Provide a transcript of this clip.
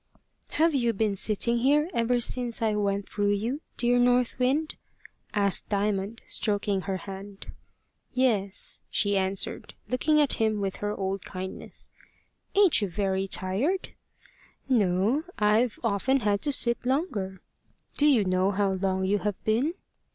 "Have you been sitting here ever since I went through you, dear North Wind?" asked Diamond, stroking her hand. "Yes," she answered, looking at him with her old kindness. "Ain't you very tired?" "No; I've often had to sit longer. Do you know how long you have been?"